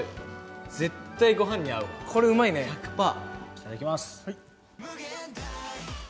いただきます。